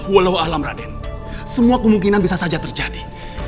walau alam raden semua kemungkinan bisa saja terjadi